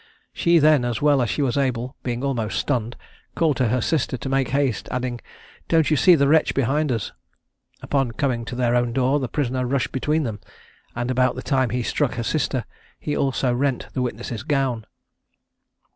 She then, as well as she was able, being almost stunned, called to her sister to make haste, adding, "Don't you see the wretch behind us?" Upon coming to their own door, the prisoner rushed between them, and about the time he struck her sister, he also rent the witness's gown.